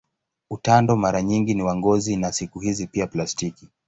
Utando mara nyingi ni wa ngozi na siku hizi pia plastiki.